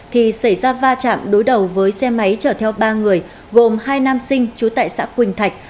thì xảy ra va chạm đối đầu với xe máy chở theo ba người gồm hai nam sinh trú tại xã quỳnh thạch